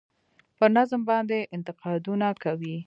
پر نظام باندې انتقادونه کوي.